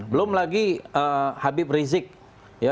belum lagi habib rizik ya